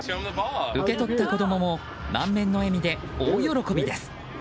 受け取った子供も満面の笑みで大喜びです。